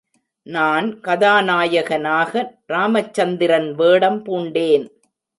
நான் கதாநாயகனான ராமச்சந்திரன் வேடம் பூண்டேன்.